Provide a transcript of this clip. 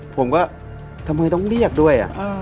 ผมก็ทำไมต้องเรียกด้วย